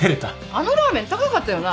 あのラーメン高かったよな。